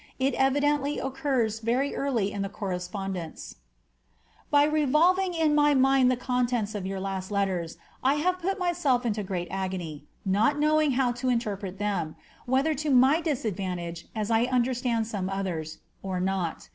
It evidently occurs very eariy m the correspondence :—By revolving in my mind the contents of your last letters, I have put myielf into great agony, not knowing how to interpret them, whether to my disadvaa* tage (as I understand some others} or not.